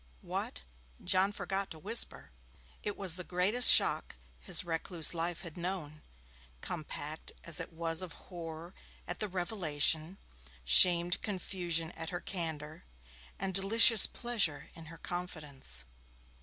'What!' John forgot to whisper. It was the greatest shock his recluse life had known, compact as it was of horror at the revelation, shamed confusion at her candour, and delicious pleasure in her confidence.